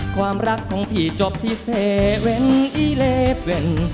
ความรักของพี่จบที่เซเว่นอีเลฟเว่น